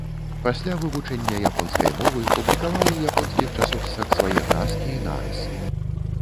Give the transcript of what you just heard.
Пасля вывучэння японскай мовы, публікаваў у японскіх часопісах свае казкі і нарысы.